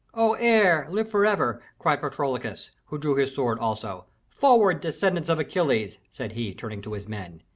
"O heir, live forever!" cried Patrokles, who drew his sword also. "Forward, descendants of Achilles!" said he, turning to his men.